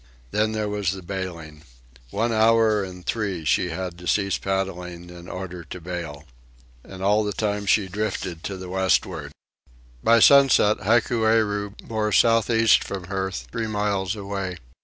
Then there was the bailing. One hour in three she had to cease paddling in order to bail. And all the time she drifted to the westward. By sunset Hikueru bore southeast from her, three miles away.